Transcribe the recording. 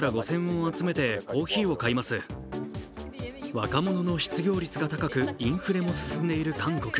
若者の失業率が高くインフレも進んでいる韓国。